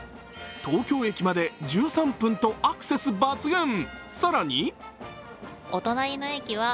東京駅まで１３分とアクセス抜群。